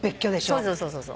そうそうそうそうそう。